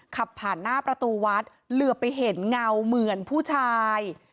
ขับผ่านหน้าประตูวัดเหลือไปเห็นเงาเหมือนผู้ชาย